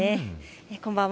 こんばんは。